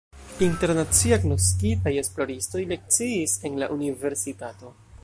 Internacie agnoskitaj esploristoj lekciis en la universitato.